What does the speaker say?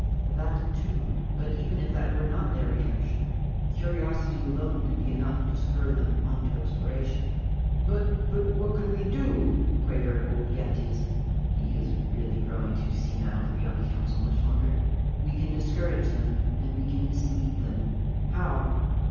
"That too. But even if that were not their reaction, curiosity alone could be enough to spur them on to exploration." "But but what can we do?" quavered old Gantes. He is really growing too senile to be on the Council much longer. "We can discourage them. And we can mislead them." "How?"